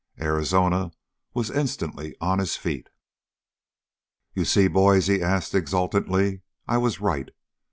Arizona was instantly on his feet. "You see, boys?" he asked exultantly. "I was right.